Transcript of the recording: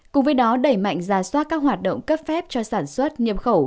cùng với đó đẩy mạnh giả soát các hoạt động cấp phép cho sản xuất nhiệm khẩu